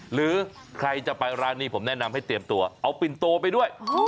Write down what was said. หรือใครจะไปร้านนี้ผมแนะนำให้เตรียมตัวเอาปินโตไปด้วย